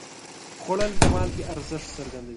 خوړل د مالګې ارزښت څرګندوي